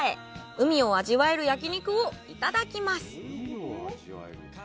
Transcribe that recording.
海を味わえる焼き肉をいただきます！